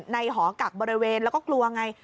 หอกักบริเวณแล้วก็กลัวไง